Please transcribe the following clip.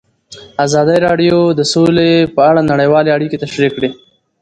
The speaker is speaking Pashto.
ازادي راډیو د سوله په اړه نړیوالې اړیکې تشریح کړي.